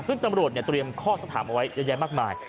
ซึ่งตำรวจเนี่ยเตรียมข้อสถามไว้เยอะแยะมากมาย